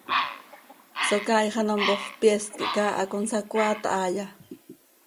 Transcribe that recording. ¿Socaaix ano mpoofp, pyeest quih caaha consacoaat haaya?